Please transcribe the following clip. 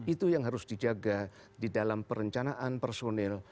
itu yang harus dijaga di dalam perencanaan personil